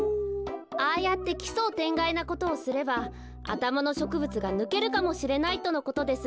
ああやって奇想天外なことをすればあたまのしょくぶつがぬけるかもしれないとのことです。